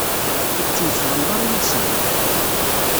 Ur tettemsefhameḍ ara yid-sen?